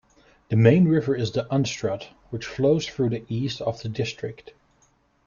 The main river is the Unstrut, which flows through the east of the district.